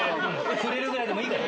触れるぐらいでもいいから。